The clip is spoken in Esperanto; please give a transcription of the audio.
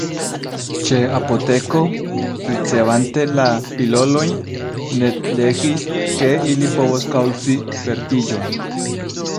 Ĉe apoteko, ricevante la pilolojn, Ned legis ke ili povos kaŭzi vertiĝon.